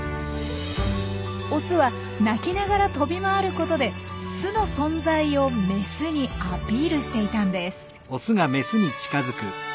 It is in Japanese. オスは鳴きながら飛び回ることで巣の存在をメスにアピールしていたんです。